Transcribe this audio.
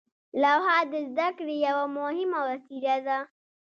لوحه د زده کړې یوه مهمه وسیله وه.